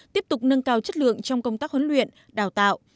tiếp tục nâng cao chất lượng trong công tác huấn luyện đào tạo